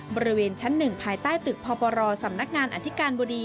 บริเวณชั้น๑ภายใต้ตึกพบรสำนักงานอธิการบดี